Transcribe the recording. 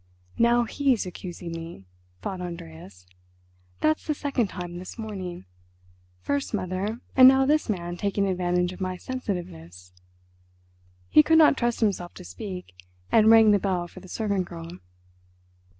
"Now he's accusing me," thought Andreas. "That's the second time this morning—first mother and now this man taking advantage of my sensitiveness." He could not trust himself to speak, and rang the bell for the servant girl.